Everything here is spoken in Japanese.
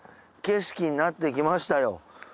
景色になってきましたよ。